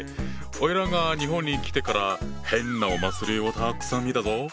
おいらが日本に来てから変なお祭りをたくさん見たぞ！